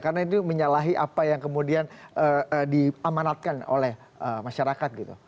karena itu menyalahi apa yang kemudian di amanatkan oleh masyarakat gitu